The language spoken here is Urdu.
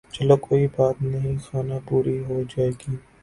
چلو کوئی بات نہیں خانہ پوری ھو جاے گی